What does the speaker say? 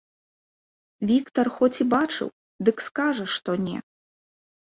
Віктар хоць і бачыў, дык скажа, што не.